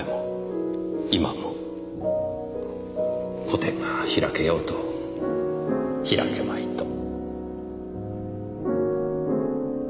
個展が開けようと開けまいと。